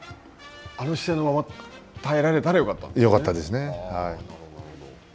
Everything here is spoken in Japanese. あの姿勢のまま耐えられたらよかったんですね。